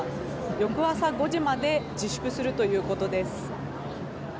翌朝５時まで自粛するということです。